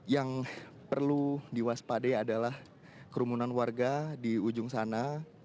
yang perlu diwaspadai adalah kerumunan warga di ujung sana